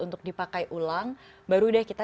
untuk dipakai ulang baru deh kita